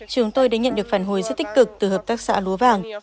chúng tôi đã nhận được phản hồi rất tích cực từ hợp tác xã lúa vàng